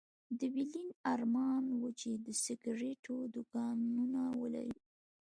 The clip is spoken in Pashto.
د ويلين ارمان و چې د سګرېټو دوکانونه ولري